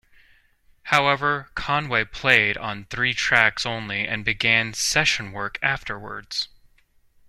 However, Conway played on three tracks only and began session work afterwards.